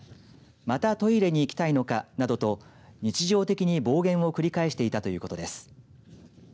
またトイレに行きたいのかなどと日常的に暴言を繰り返していたということです。